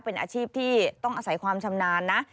เป็นอาชีพที่ต้องอาศัยความชำนาญนะ